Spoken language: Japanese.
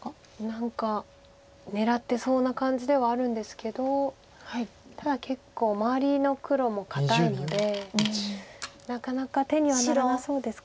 何か狙ってそうな感じではあるんですけどただ結構周りの黒も堅いのでなかなか手にはならなそうですか。